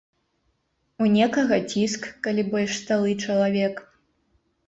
У некага ціск, калі больш сталы чалавек.